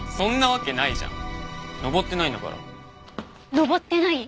登ってない？